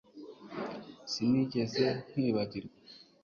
Sinigeze nkwibagirwa